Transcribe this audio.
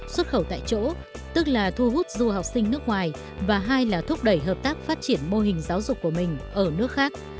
xuất khẩu tại chỗ tức là thu hút du học sinh nước ngoài và hai là thúc đẩy hợp tác phát triển mô hình giáo dục của mình ở nước khác